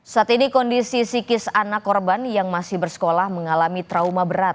saat ini kondisi psikis anak korban yang masih bersekolah mengalami trauma berat